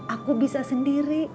aku bisa sendiri